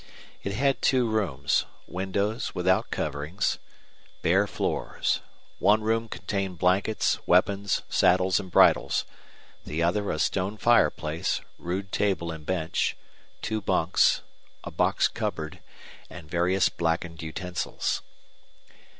It had two rooms windows without coverings bare floors. One room contained blankets, weapons, saddles, and bridles; the other a stone fireplace, rude table and bench, two bunks, a box cupboard, and various blackened utensils.